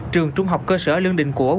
trường trung học cơ sở lương định của ubnd